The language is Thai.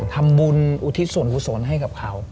ทำบุญอุทิศศนอุทิศศนให้กับเขา